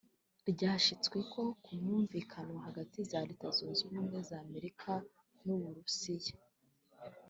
ryashitsweko ku mwumvikano hagati ya Leta Zunze Ubumwe za Amerika n'Uburusia